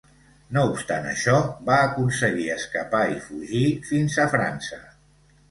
No obstant això, va aconseguir escapar i fugir fins a França.